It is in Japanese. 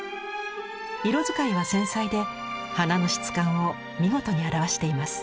色使いは繊細で花の質感を見事に表しています。